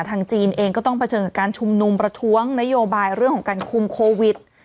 จีนเองก็ต้องเผชิญกับการชุมนุมประท้วงนโยบายเรื่องของการคุมโควิด